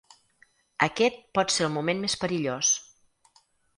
Aquest pot ser el moment més perillós.